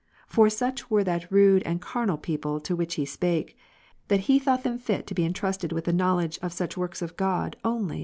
For such were that rude and carnal people to which he spake, that he thought them fit to be entrusted with the knowledge of such works of God only as were a See above, b.